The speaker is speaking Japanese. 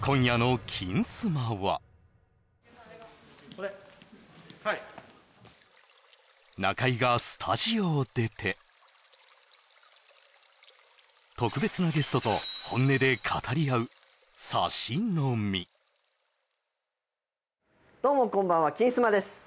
これはい中居がスタジオを出て特別なゲストと本音で語り合うサシ飲みどうもこんばんは「金スマ」です